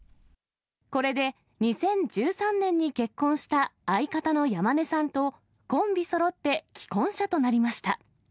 これで２０１３年に結婚した相方の山根さんと、コンビそろって既婚者となりました。